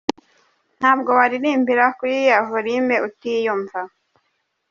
Ntabwo waririmbira kuri iyiya volume utiyumva.